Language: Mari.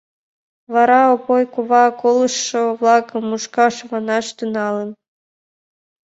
Вара Опой кува колышо-влакым мушкаш ваҥаш тӱҥалын.